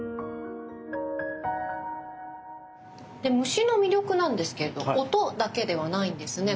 虫の魅力なんですけれど音だけではないんですね。